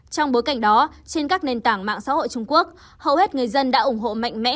trong bối cảnh đó trên các nền tảng mạng xã hội trung quốc hầu hết người dân đã ủng hộ mạnh mẽ